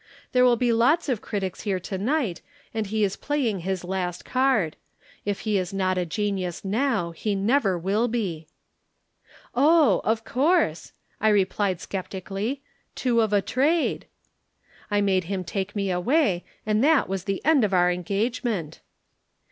There will be lots of critics here to night and he is playing his last card. If he is not a genius now, he never will be.' [Illustration: The poet plays his last card.] "'Oh, of course,' I replied sceptically, 'two of a trade.' I made him take me away and that was the end of our engagement.